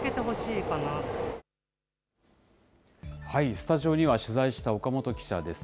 スタジオには取材した岡本記者です。